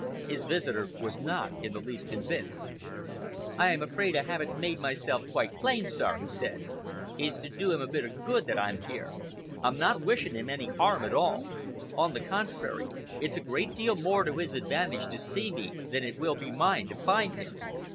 His visitor was not in the least convinced. "I am afraid I haven't made myself quite plain, sir," he said. "It's to do him a bit o' good that I'm here. I'm not wishing him any harm at all. On the contrary, it's a great deal more to his advantage to see me than it will be mine to find him."